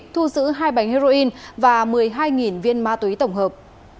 thu giữ hai bánh heroin và một mươi hai viên ma túy tổng hợp